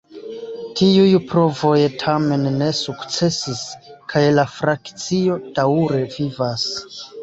Tiuj provoj tamen ne sukcesis, kaj la frakcio daŭre vivas.